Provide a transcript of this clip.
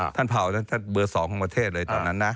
เผาท่านเบอร์๒ของประเทศเลยตอนนั้นนะ